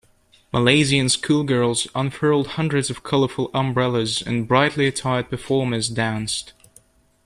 Malaysian schoolgirls unfurled hundreds of colourful umbrellas, and brightly attired performers danced.